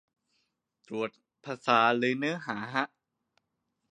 ตรวจภาษาหรือเนื้อหาฮะ